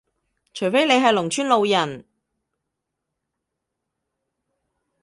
除非你係農村老人